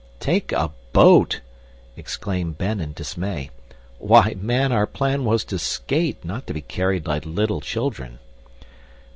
"Take a boat!" exclaimed Ben in dismay. "Why, man, our plan was to SKATE, not to be carried like little children."